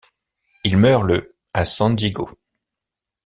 Il meurt le à San Diego.